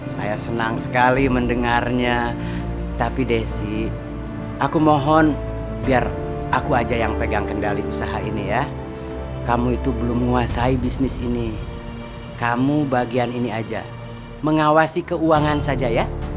saya senang sekali mendengarnya tapi desi aku mohon biar aku aja yang pegang kendali usaha ini ya kamu itu belum menguasai bisnis ini kamu bagian ini aja mengawasi keuangan saja ya